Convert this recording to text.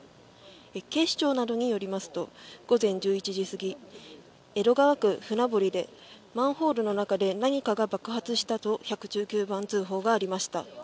警視庁などによりますと午前１１時過ぎ江戸川区船堀でマンホールの中で何かが爆発したと１１９番通報がありました。